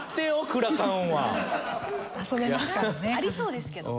蔵ありそうですけど。